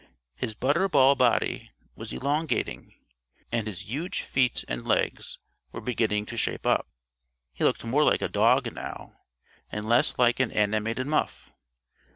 His butter ball body was elongating, and his huge feet and legs were beginning to shape up. He looked more like a dog now, and less like an animated muff.